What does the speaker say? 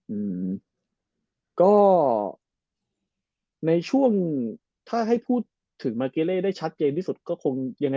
อืมก็ในช่วงถ้าให้พูดถึงมาเกเล่ได้ชัดเจนที่สุดก็คงยังไง